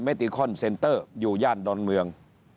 ติคอนเซนเตอร์อยู่ย่านดอนเมือง